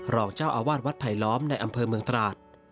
รองเจ้าอาวาสวัดไผลล้อมในอำเภอเมืองตราด